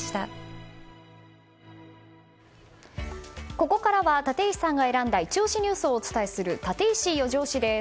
ここからは立石さんが選んだイチ押しニュースをお伝えするタテイシ４時推しです。